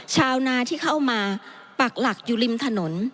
ชาวนาที่เข้ามาปักหลักอยู่ริมถนน